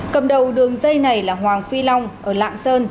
cầm đầu đường dây này là hoàng phi long ở lạng sơn